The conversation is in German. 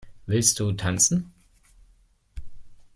Willst du tanzen?